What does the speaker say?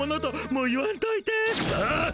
もう言わんといて。